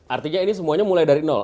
artinya ini semuanya mulai dari nol